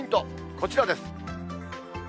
こちらです。